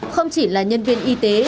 không chỉ là nhân viên y tế